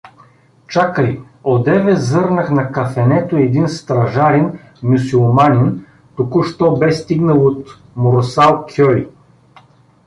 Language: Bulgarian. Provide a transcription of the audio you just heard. — Чакай, одеве зърнах на кафенето един стражарин мюсюлманин, току-що бе стигнал от Мурсал-кьой.